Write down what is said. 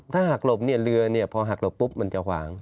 ถ้าหักหลบเนี่ยเหลือเนี่ยพอหักหลบปุ๊บมันจะหวาง